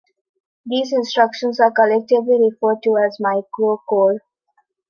These instructions are collectively referred to as microcode.